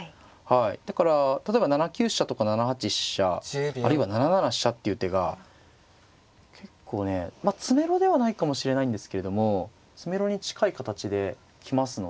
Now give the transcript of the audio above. だから例えば７九飛車とか７八飛車あるいは７七飛車っていう手が結構ねまあ詰めろではないかもしれないんですけれども詰めろに近い形で来ますので。